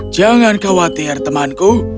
jangan khawatir temanku